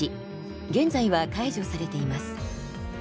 現在は解除されています。